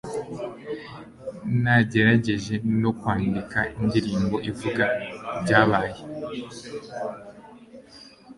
Nagerageje no kwandika indirimbo ivuga ibyabaye.